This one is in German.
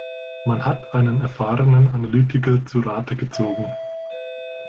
Man hat einen erfahrenen Analytiker zu Rate gezogen.